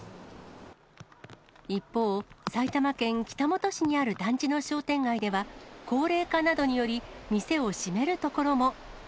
一方、埼玉県北本市にある団地の商店街では高齢化などにより、店を閉めるところも。